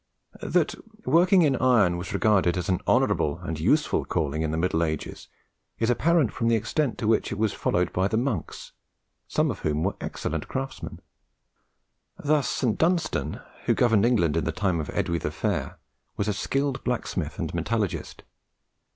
That working in iron was regarded as an honourable and useful calling in the Middle Ages, is apparent from the extent to which it was followed by the monks, some of whom were excellent craftsmen. Thus St. Dunstan, who governed England in the time of Edwy the Fair, was a skilled blacksmith and metallurgist.